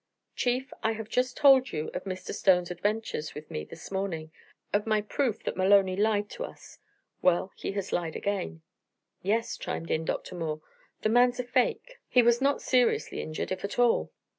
"Chief, I have just told you of Mr. Stone's adventures with me this morning of my proof that Maloney lied to us. Well, he has lied again." "Yes," chimed in Dr. Moore, "the man's a fake. He was not seriously injured, if at all."